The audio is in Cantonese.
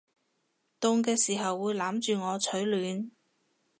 凍嘅時候會攬住我取暖